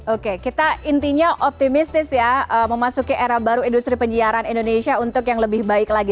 oke kita intinya optimistis ya memasuki era baru industri penyiaran indonesia untuk yang lebih baik lagi